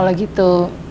ya udah kalau gitu